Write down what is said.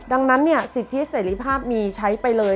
ดังนั้นสิทธิเสรีภาพมีใช้ไปเลย